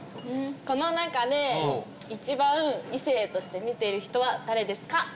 この中で一番異性として見ている人は誰ですか？